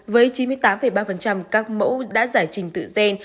với chín mươi tám ba các mẫu đã giải trình tự gen